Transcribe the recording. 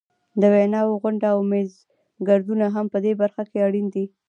د ویناوو غونډې او میزګردونه هم په دې برخه کې اړین دي.